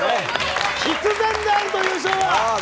必然であると、優勝は。